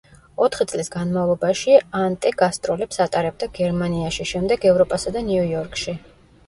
ოთხი წლის განმავლობაში ანტე გასტროლებს ატარებდა გერმანიაში, შემდეგ ევროპასა და ნიუ-იორკში.